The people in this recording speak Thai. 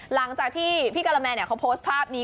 หลังจากที่พี่กะละแมนเขาโพสต์ภาพนี้